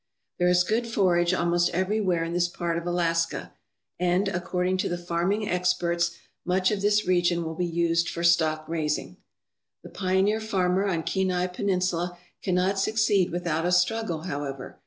There is good forage almost everywhere in this part of Alaska, and, according .to the farming experts, much of this region will be used for stock raising. The pioneer farmer on Kenai Peninsula cannot succeed without a struggle, however.